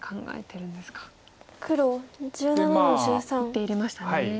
１手入れましたね。